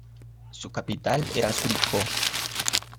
Su capital era Curicó.